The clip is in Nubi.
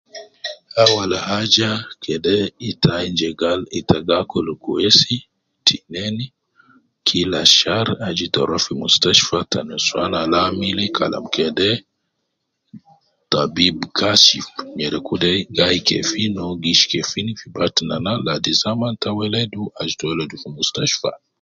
Awul haja kede ita ayinu je gal ita ga akul kweisi, tinein kila Shar aju ita ruwa fi mustashfa ta nuswan al amili Kalam kede tabib kashif nyereku de gayi kefin uwo gi ishi kefin fi batna naa ladi zaman ta weledu. Aju ita weledu fi mushtashfa